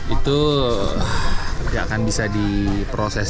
itu gak akan bisa di proses